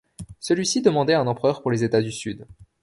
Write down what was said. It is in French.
Celui-ci demandait « un empereur » pour les États du Sud.